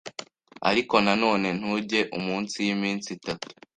ariko nanone ntujye munsi y’iminsi itatu